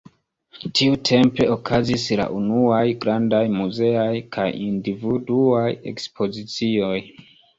Tiutempe okazis la unuaj grandaj muzeaj kaj individuaj ekspozicioj.